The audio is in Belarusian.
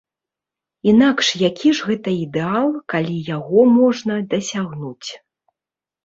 Інакш які ж гэта ідэал, калі яго можна дасягнуць!